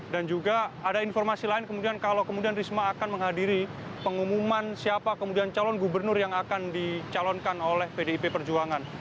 dan juga ada informasi lain kemudian kalau kemudian risma akan menghadiri pengumuman siapa kemudian calon gubernur yang akan dicalonkan oleh pdip perjuangan